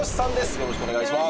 よろしくお願いします。